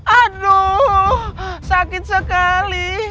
aduh sakit sekali